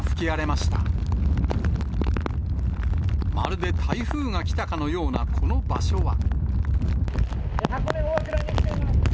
まるで台風が来たかのようなこの場所は。